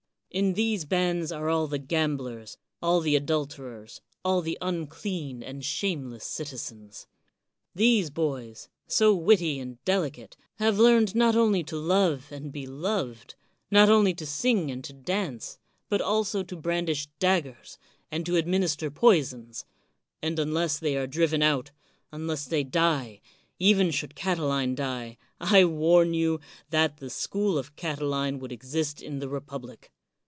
In these bands are all the gamblers, all the adulterers, all the unclean and shameless citize^ns. 126 CICERO These boys, so witty and delicate, have learned not only to love and be loved, not only to sing and to dance, but also to brandish daggers and to administer poisons ; and unless they are driven out, unless they die, even should Catiline die, I warn you that the school of Catiline would exist in the republic.